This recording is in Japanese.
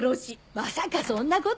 まさかそんなこと。